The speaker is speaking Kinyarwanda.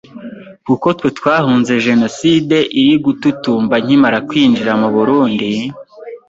kuko twe twahunze genocide iri gututumba nkimara kwinjira mu Burundi,